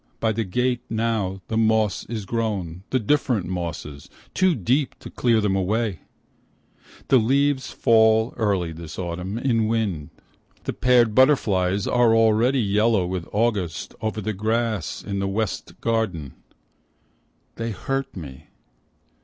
By the gate now, the moss is grown, the different mosses, Too deep to clear them away ! The leaves fall early this autumn, in wind. The paired butterflies are already yellow with August Over the grass in the West garden, They hurt me.